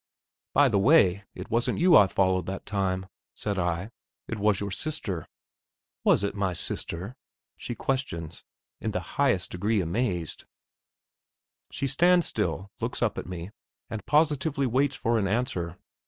"By the way, it wasn't you I followed that time," said I. "It was your sister." "Was it my sister?" she questions, in the highest degree amazed. She stands still, looks up at me, and positively waits for an answer.